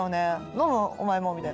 「飲む？お前も」みたいな。